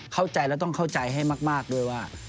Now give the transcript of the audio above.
เข้าใจแล้วต้องเข้าใจให้มากด้วยว่า